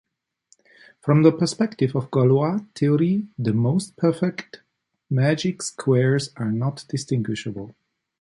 From the perspective of Galois theory the most-perfect magic squares are not distinguishable.